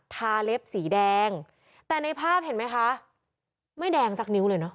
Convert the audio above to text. ทาเล็บสีแดงแต่ในภาพเห็นไหมคะไม่แดงสักนิ้วเลยเนอ